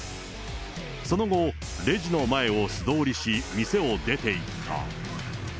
その後、レジの前を素通りし、店を出ていった。